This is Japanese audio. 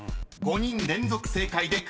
５人連続正解でクリア］